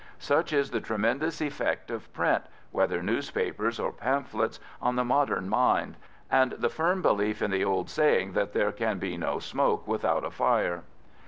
Such is the tremendous effect of print, whether newspapers or pamphlets, on the modern mind, and the firm belief in the old saying that there can be no smoke without a fire.